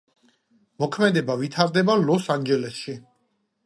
მოქმედება ვითარდება ლოს-ანჯელესში.